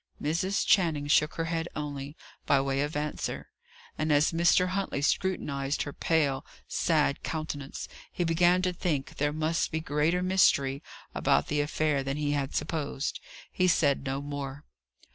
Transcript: Mrs. Channing shook her head only, by way of answer; and, as Mr. Huntley scrutinized her pale, sad countenance, he began to think there must be greater mystery about the affair than he had supposed. He said no more.